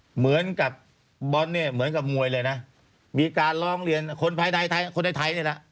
เหมือนกับบอลเนี่ยเหมือนกับมวยเลยนะมีการร้องเรียนคนภายในไทยคนในไทยนี่แหละ